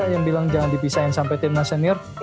yang bilang jangan dipisahin sampai timnas senior